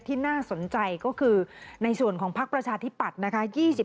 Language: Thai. ที่น่าสนใจก็คือในส่วนของพักประชาธิปัตย์นะคะ